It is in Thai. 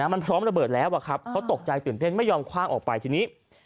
มันพร้อมระเบิดแล้วเขาตกใจตื่นเต้นไม่ยอมคว่างออกไปทีนี้